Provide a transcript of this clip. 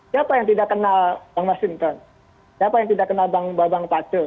siapa yang tidak kenal bang mas hinton siapa yang tidak kenal bang babang pacu